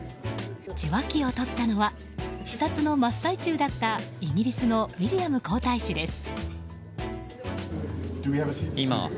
受話器を取ったのは視察の真っ最中だったイギリスのウィリアム皇太子です。